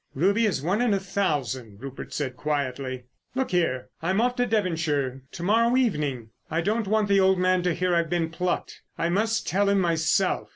"Ruby is one in a thousand," Rupert said quietly. "Look here, I'm off to Devonshire to morrow evening. I don't want the old man to hear I've been plucked. I must tell him myself.